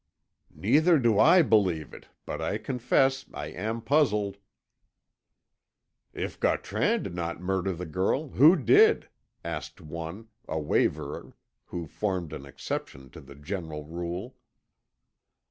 "Neither do I believe it, but I confess I am puzzled." "If Gautran did not murder the girl, who did?" asked one, a waverer, who formed an exception to the general rule.